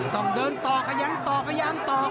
ต้องเดินต่อขยังต่อ